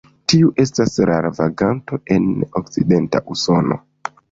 Tiu estas rara vaganto en okcidenta Usono.